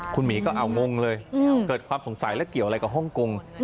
คุณหมีก็เอางงเลยเกิดความสงสัยและเกี่ยวอะไรกับฮ่องกง